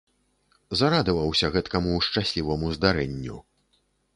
Зарадаваўся гэткаму шчасліваму здарэнню.